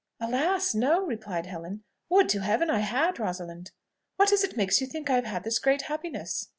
"Alas! no!" replied Helen. "Would to Heaven I had, Rosalind! What is it makes you think I have had this great happiness?"